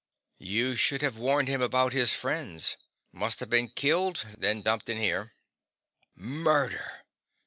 "You should have warned him about his friends. Must have been killed, then dumped in there." "Murder!"